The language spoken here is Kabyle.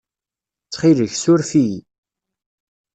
Ttxil-k, ssuref-iyi.